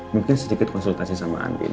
mungkin sedikit konsultasi sama andin